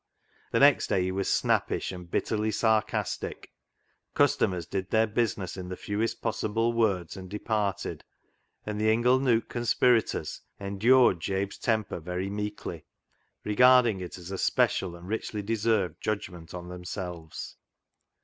The next day he was snappish and bitterly sarcastic. Customers did their business in the fewest possible words and departed ; and the ingle nook conspirators endured Jabe's temper very meekly, regarding it as a special and richly deserved judgment on themselves.